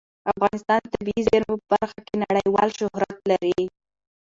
افغانستان د طبیعي زیرمې په برخه کې نړیوال شهرت لري.